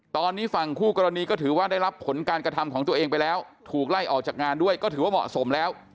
ตอนนี้ฝั่งคู่กรณีก็ถือว่าได้รับผลการกระทำของตัวเองไปแล้วถูกไล่ออกจากงานด้วยก็ถือว่าเหมาะสมแล้ว